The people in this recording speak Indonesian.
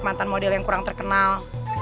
mantan model yang kurang terkenal